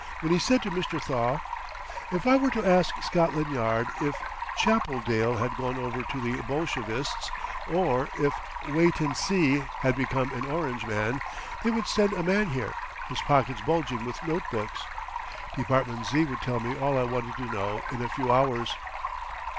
when he said to Mr. Thaw, "If I were to ask Scotland Yard if Chappeldale had gone over to the Bolshevists, or if Waytensee had become an Orangeman, they would send a man here, his pockets bulging with note books. Department Z. would tell me all I wanted to know in a few hours."